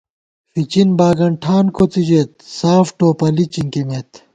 فِچِن باگنٹھان کوڅی ژېت ، ساف ٹوپَلی چِنکِمېت